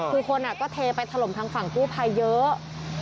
คือคนก็เทไปถล่มทางฝั่งกู้ภัยเยอะ